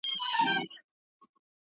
زه د پي ټي ایم غړی نه یم ,